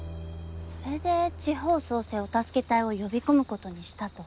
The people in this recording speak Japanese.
それで地方創生お助け隊を呼び込むことにしたと。